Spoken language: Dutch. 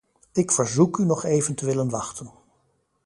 Ik verzoek u nog even te willen wachten.